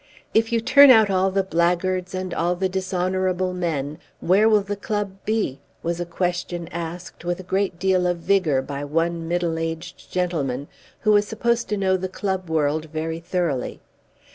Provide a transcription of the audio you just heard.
"If you turn out all the blackguards and all the dishonourable men, where will the club be?" was a question asked with a great deal of vigour by one middle aged gentleman who was supposed to know the club world very thoroughly.